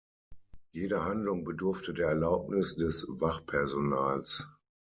Jede Handlung bedurfte der Erlaubnis des Wachpersonals.